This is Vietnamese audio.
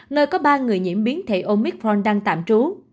nơi có ba người nhiễm biến thể omitron đang tạm trú